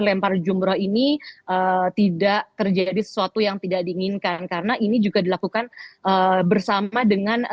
lempar jumroh ini tidak terjadi sesuatu yang tidak diinginkan karena ini juga dilakukan bersama dengan